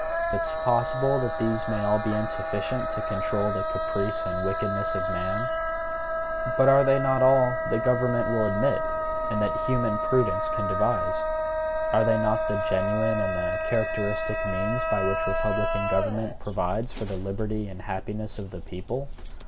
It is possible that these may all be insufficient to control the caprice and wickedness of man. But are they not all that government will admit, and that human prudence can devise? Are they not the genuine and the characteristic means by which republican government provides for the liberty and happiness of the people?